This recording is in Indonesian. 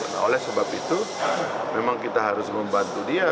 nah oleh sebab itu memang kita harus membantu dia